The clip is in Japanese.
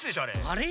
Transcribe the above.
あれ？